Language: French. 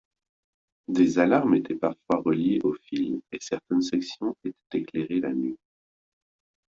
Des alarmes étaient parfois reliées aux fils et certaines sections étaient éclairées la nuit.